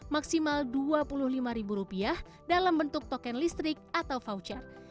maksimal rp dua puluh lima dalam bentuk token listrik atau voucher